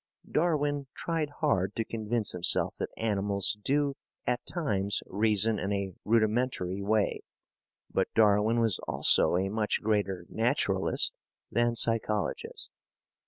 "Darwin tried hard to convince himself that animals do at times reason in a rudimentary way; but Darwin was also a much greater naturalist than psychologist."